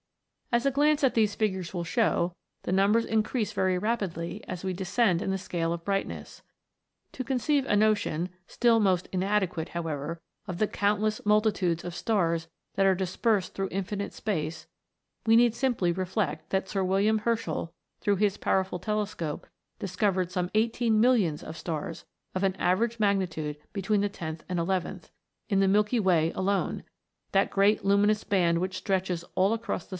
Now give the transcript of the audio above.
As a glance at these figures will show, the numbers in crease very rapidly as we descend in the scale of brightness. To conceive a notion, still most inade quate, however, of the countless multitudes of stars that are dispersed through infinite space, we need simply reflect that Sir William Herschel, through his powerful telescope, discovered some eighteen millions of stars, of an average magnitude between the tenth and eleventh, in the milky way alone that great luminous band which stretches all across the 190 A FLIGHT THROUGH SPACE.